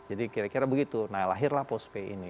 jadi kira kira begitu nah lahirlah postpay ini